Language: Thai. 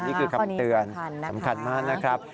นี่คือคำเตือนสำคัญมากนะครับคนนี้สำคัญ